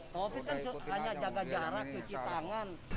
covid kan hanya jaga jarak cuci tangan